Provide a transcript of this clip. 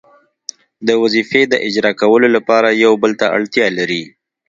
د وظیفې د اجرا کولو لپاره یو بل ته اړتیا لري.